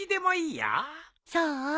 そう？